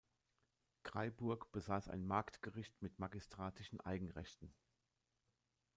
Kraiburg besaß ein Marktgericht mit magistratischen Eigenrechten.